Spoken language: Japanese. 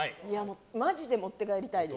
マジで持って帰りたいです。